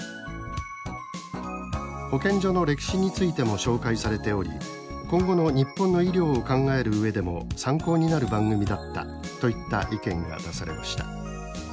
「保健所の歴史についても紹介されており今後の日本の医療を考える上でも参考になる番組だった」といった意見が出されました。